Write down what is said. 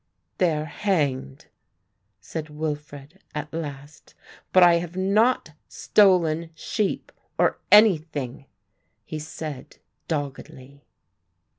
"They are hanged," said Wilfred at last; "but I have not stolen sheep or anything," he said doggedly.